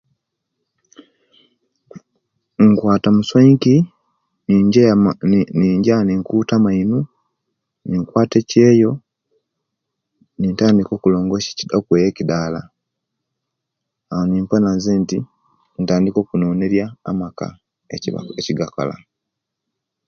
Nkwata muswanki ninjeya ninja ninkuta amino nikwata ekyeyo nintandika okwe okulongosya okweya ekidaala awo nimpona zenti intandika okunonerya amaka ekyi egakola